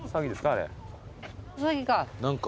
あれ。